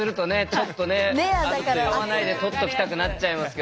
ちょっとねあると喜んで取っときたくなっちゃいますけど。